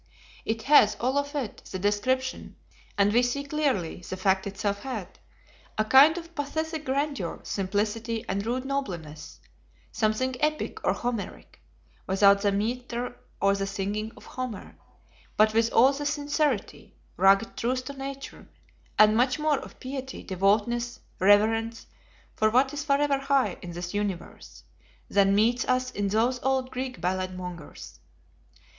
It has, all of it, the description (and we see clearly, the fact itself had), a kind of pathetic grandeur, simplicity, and rude nobleness; something Epic or Homeric, without the metre or the singing of Homer, but with all the sincerity, rugged truth to nature, and much more of piety, devoutness, reverence for what is forever High in this Universe, than meets us in those old Greek Ballad mongers.